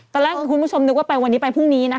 ตอนแรกคุณผู้ชมนึกว่าไปวันนี้ไปพรุ่งนี้นะ